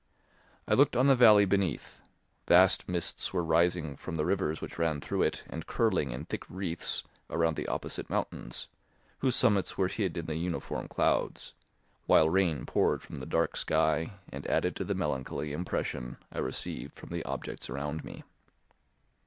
I looked on the valley beneath; vast mists were rising from the rivers which ran through it and curling in thick wreaths around the opposite mountains, whose summits were hid in the uniform clouds, while rain poured from the dark sky and added to the melancholy impression I received from the objects around me.